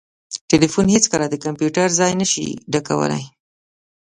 ټلیفون هیڅکله د کمپیوټر ځای نسي ډکولای